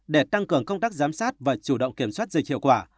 để tăng cường công tác giám sát và chủ động kiểm soát dịch hiệu quả